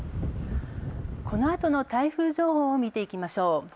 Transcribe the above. このあとの台風情報を見てみましょう。